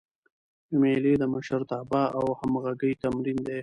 مېلې د مشرتابه او همږغۍ تمرین دئ.